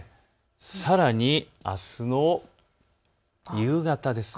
さらに、あすの夕方です。